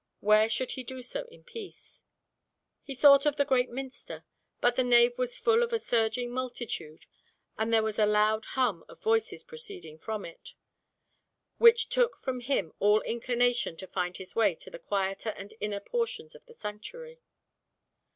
Where should he do so in peace? He thought of the great Minster, but the nave was full of a surging multitude, and there was a loud hum of voices proceeding from it, which took from him all inclination to find his way to the quieter and inner portions of the sanctuary.